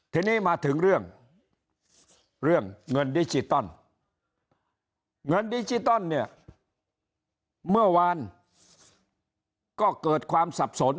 ทีนี้มาถึงเรื่องเรื่องเงินดิจิตอลเงินดิจิตอลเนี่ยเมื่อวานก็เกิดความสับสน